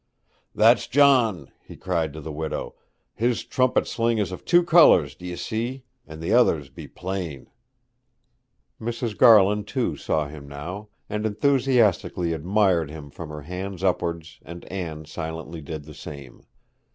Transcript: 'That's John!' he cried to the widow. 'His trumpet sling is of two colours, d'ye see; and the others be plain.' Mrs. Garland too saw him now, and enthusiastically admired him from her hands upwards, and Anne silently did the same.